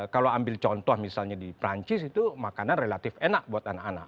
kalau ambil contoh misalnya di perancis itu makanan relatif enak buat anak anak